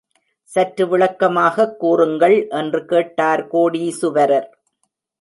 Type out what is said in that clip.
சற்று விளக்கமாகக் கூறுங்கள் என்று கேட்டார் கோடீசுவரர்.